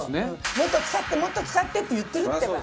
もっと使ってもっと使ってって言ってるってば。